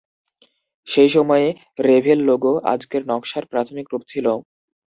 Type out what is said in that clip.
সেই সময়ে Revel logo আজকের নকশার প্রাথমিক রূপ ছিল।